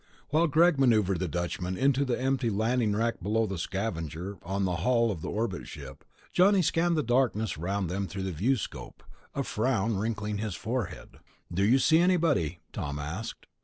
While Greg maneuvered the Dutchman into the empty landing rack below the Scavenger on the hull of the orbit ship, Johnny scanned the blackness around them through the viewscope, a frown wrinkling his forehead. "Do you see anybody?" Tom asked.